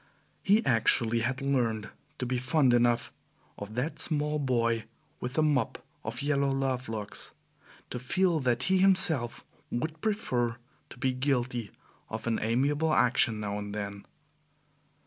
He actually had learned to be fond enough of that small boy with the mop of yellow love locks, to feel that he himself would prefer to be guilty of an amiable action now and then.